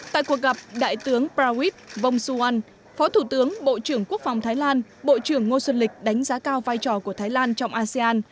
tại cuộc gặp đại tướng prawit vongsuwan phó thủ tướng bộ trưởng quốc phòng thái lan bộ trưởng ngô xuân lịch đánh giá cao vai trò của thái lan trong asean